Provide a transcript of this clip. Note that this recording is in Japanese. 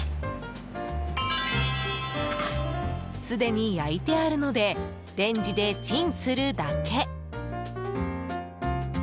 すでに焼いてあるのでレンジでチンするだけ。